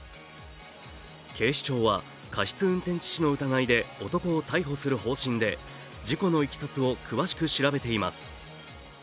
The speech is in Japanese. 警視庁は、過失運転致死の疑いで男を逮捕する方針で事故のいきさつを詳しく調べています。